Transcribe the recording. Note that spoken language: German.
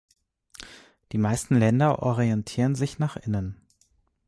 Die meisten Länder orientieren sich nach innen.